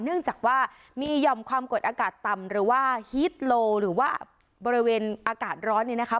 เนื่องจากว่ามีหย่อมความกดอากาศต่ำหรือว่าฮีตโลหรือว่าบริเวณอากาศร้อนเนี่ยนะคะ